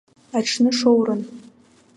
Аҽны шоуран.